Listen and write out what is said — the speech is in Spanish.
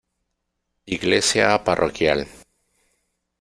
Iglesia Parroquial.